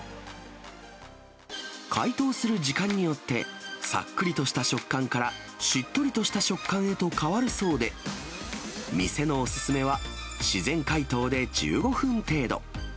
解凍する時間によって、さっくりとした食感から、しっとりとした食感へと変わるそうで、店のお勧めは、自然解凍で１５分程度。